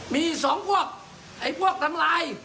มีสองพวกไอ้พวกทำลาย